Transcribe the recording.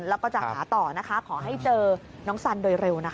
แล้วก็จะหาต่อนะคะขอให้เจอน้องสันโดยเร็วนะคะ